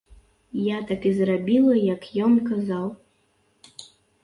Я так і зрабіла, як ён казаў.